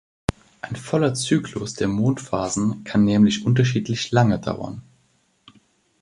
Ein voller Zyklus der Mondphasen kann nämlich unterschiedlich lange dauern.